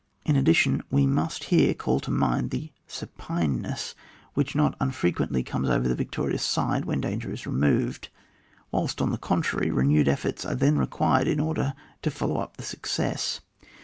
In addition, we must here call to mind the supineness, which not unfrequently comes over the victorious side, when dan ger is removed; whilst, on the contrary, renewed efforts are then required in order to follow up the success.